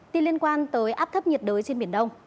tin liên quan tới áp thấp nhiệt đới trên biển đông